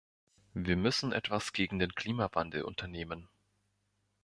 Wir müssen etwas gegen den Klimawandel unternehmen.